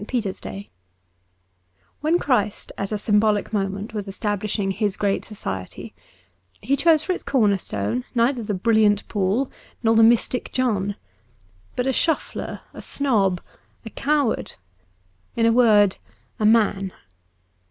PETER'S DAY WHEN Christ at a symbolic moment was establishing His great society, He chose for its corner stone neither the brilliant Paul nor the mystic John, but a shuffler, a snob, a coward — in a word, a man.